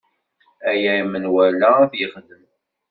Aya menwala ad t-yexdem.